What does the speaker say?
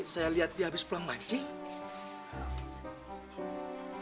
saya liat dia habis pelanggan sih slap